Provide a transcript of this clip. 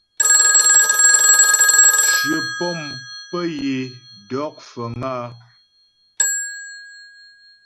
Shyə pɔ̂m pə́ yə é dɔk fəŋ áa.